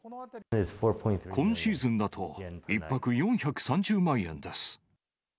今シーズンだと１泊４３０万円です。